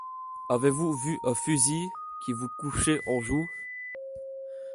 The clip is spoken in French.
Avez-vous vu un fusil qui vous couchait en joue ?